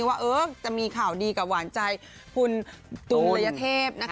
ว่าเออจะมีข่าวดีกับหวานใจคุณตุ๋นเลยเทพ